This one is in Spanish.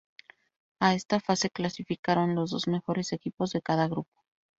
A esta fase clasificaron los dos mejores equipos de cada grupo.